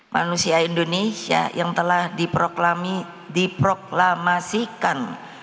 manusia indonesia yang telah diproklamasikan